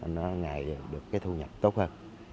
nó ngày được cái thu nhập tốt hơn